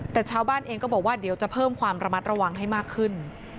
แต่ชาวบ้านเองก็บอกว่าเดี๋ยวจะเพิ่มความระมัดระวังให้มากขึ้น